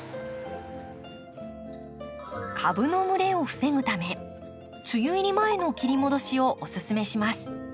株の蒸れを防ぐため梅雨入り前の切り戻しをおすすめします。